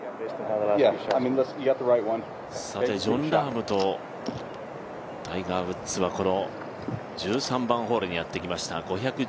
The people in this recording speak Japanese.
ジョン・ラームとタイガー・ウッズは１３番ホールにやってきました。